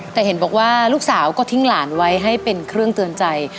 แต่เห็นบอกว่าลูกสาวก็ทิ้งหลานไว้ให้เป็นเครื่องเตือนใจ